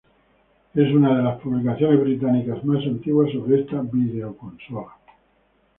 Es una de las publicaciones británicas más antiguas sobre esta videoconsola.